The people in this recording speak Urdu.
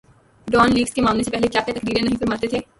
ڈان لیکس کے معاملے سے پہلے کیا کیا تقریریں نہیں فرماتے تھے۔